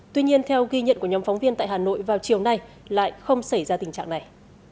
tuy nhiên theo ghi nhận của nhóm phóng viên tại hà nội vào chiều nay lại không xảy ra tình trạng này